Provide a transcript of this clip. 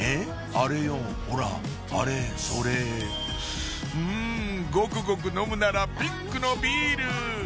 アレよほらアレそれんゴクゴク飲むならピンクのビール！